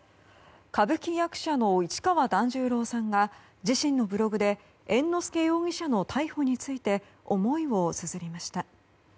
歌舞伎役者の市川團十郎さんが自身のブログで猿之助容疑者の逮捕について思いをつづりました。